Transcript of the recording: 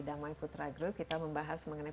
damai putra grow kita membahas mengenai